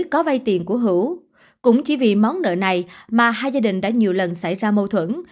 có vay tiền của hữu cũng chỉ vì món nợ này mà hai gia đình đã nhiều lần xảy ra mâu thuẫn